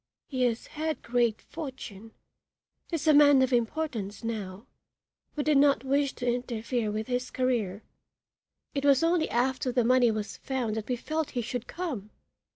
"He has had great fortune is a man of importance now we did not wish to interfere with his career. It was only after the money was found that we felt he should come.